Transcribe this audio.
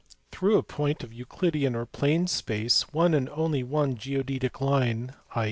Through a point of Euclidean or plane space one and only one geodetic line (i.